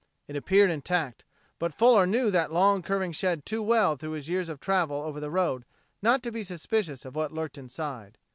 It appeared intact, but Fuller knew that long curving shed too well through his years of travel over the road not to be suspicious of what lurked inside.